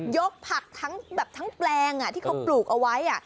ยกผักทั้งแปลงที่เขาปลูกเอาไว้